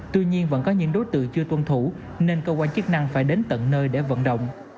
tuy nhiên vẫn có những đối tượng chưa tuân thủ nên cơ quan chức năng phải đến tận nơi để vận động